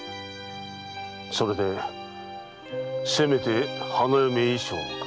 それでせめて花嫁衣装をか。